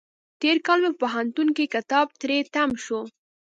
تېر کال مې په پوهنتون کې کتاب تری تم شو.